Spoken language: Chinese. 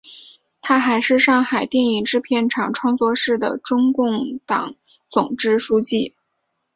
她还是上海电影制片厂创作室的中共党总支书记。